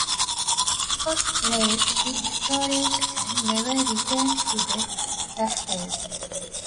It was placed in storage and never returned to the rafters.